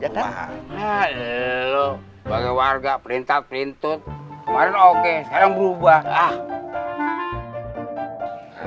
jatah nah lo bagai warga perintah pintu warga oke sayang berubah ah